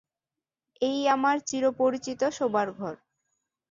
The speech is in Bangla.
– এই আমার চির-পরিচিত শোবার ঘর।